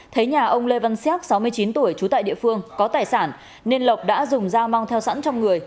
thấy nhà ông lê văn xác sáu mươi chín tuổi trú tại địa phương có tài sản nên lộc đã dùng dao mang theo sẵn trong người